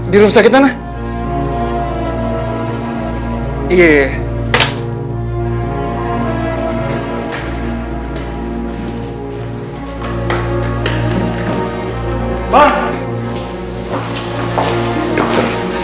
terima kasih best